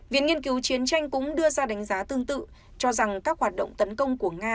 viện nghiên cứu chiến tranh cũng đưa ra đánh giá tương tự cho rằng các hoạt động tấn công của nga